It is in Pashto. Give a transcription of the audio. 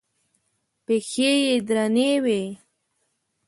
پښې یې درنې وې.